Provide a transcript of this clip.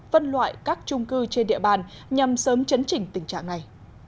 phân loại các trung cư trên địa bàn nhằm sớm chấn chỉnh tình trạng này